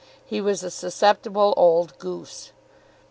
He was a susceptible old goose.